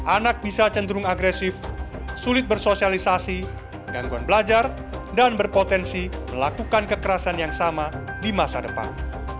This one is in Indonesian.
anak bisa cenderung agresif sulit bersosialisasi gangguan belajar dan berpotensi melakukan kekerasan yang sama di masa depan